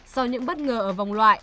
sau những bất ngờ ở vòng loại